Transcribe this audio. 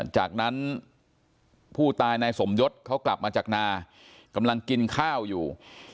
จากนั้นผู้ตายนายสมยศเขากลับมาจากนากำลังกินข้าวอยู่